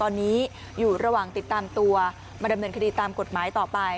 ตอนนี้อยู่ระหว่างติดตามตัวมาดำเนินคดีตามกฎหมายต่อไป